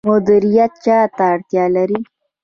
مدیریت چا ته اړتیا لري؟